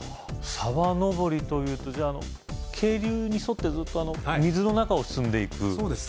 沢登りというとじゃあ渓流に沿ってずっと水の中を進んでいくそうです